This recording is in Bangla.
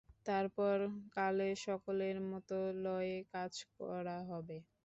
তারপর কালে সকলের মত লয়ে কাজ করা হবে।